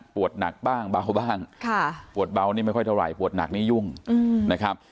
หนักบ้างเบาบ้างปวดเบานี่ไม่ค่อยเท่าไหร่ปวดหนักนี่ยุ่งนะครับ